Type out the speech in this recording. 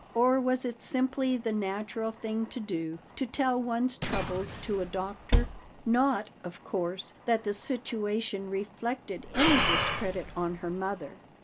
Or was it simply the natural thing to do to tell one's troubles to a doctor? Not, of course, that the situation reflected any discredit on her mother. Mrs.